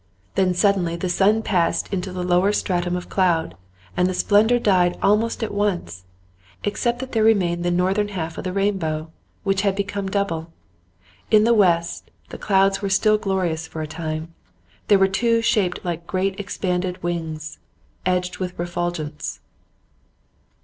Then suddenly the sun passed into the lower stratum of cloud, and the splendour died almost at once, except that there remained the northern half of the rainbow, which had become double. In the west, the clouds were still glorious for a time; there were two shaped like great expanded wings, edged with refulgence.